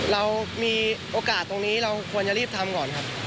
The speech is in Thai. เรามีโอกาสตรงนี้เราควรจะรีบทำก่อนครับ